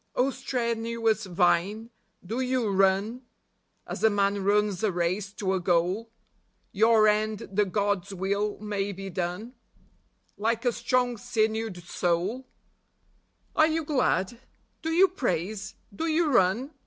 O strenuous vine, do you run, As a man runs a race to a goal, Your end that God's will may be done, Like a strong sinewed soul ? 106 ARE YOU GLAD? IO; Are you glad ? Do you praise ? Do you run